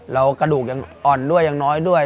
แล้วกระดูกยังอ่อนด้วยยังน้อยด้วย